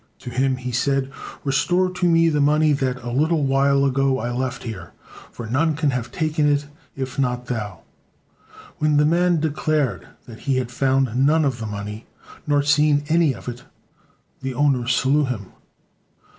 To him he said: "Restore to me the money that a little while ago I left here, for none can have taken it if not thou." When the man declared that he had found none of the money nor seen any of it, the owner slew him.